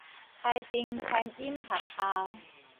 開平餐飲學校